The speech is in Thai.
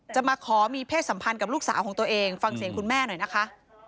มาขอมีเพศสัมพันธ์กับลูกสาวของตัวเองฟังเสียงคุณแม่หน่อยนะคะ